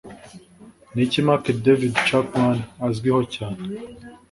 Niki Mark David Chapman azwi ho cyane?